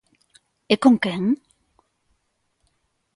¿E con quen?